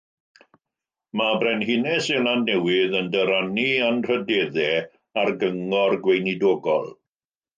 Mae Brenhines Seland Newydd yn dyrannu anrhydeddau ar gyngor gweinidogol.